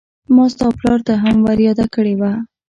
ما ستا پلار ته هم ور ياده کړې وه.